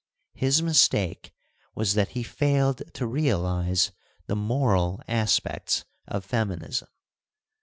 His mistake was that he failed to realise the moral aspects of feminism.